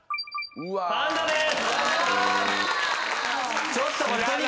パンダです。